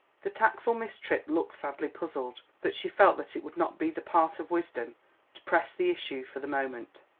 The tactful Miss Tripp looked sadly puzzled, but she felt that it would not be the part of wisdom to press the issue for the moment.